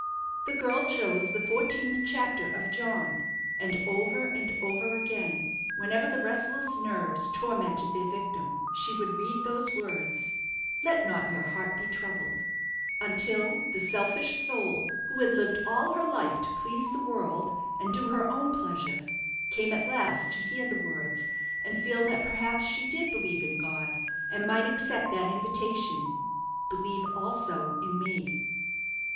The girl chose the fourteenth chapter of John, and over and over again, whenever the restless nerves tormented their victim, she would read those words, "Let not your heart be troubled" until the selfish soul, who had lived all her life to please the world and do her own pleasure, came at last to hear the words, and feel that perhaps she did believe in God, and might accept that invitation, "Believe also in me."